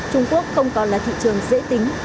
trung quốc không còn là thị trường dễ tính